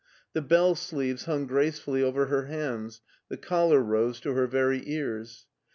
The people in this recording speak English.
The bell sleeves hung gracefully over her hands, the collar rose to her very ears.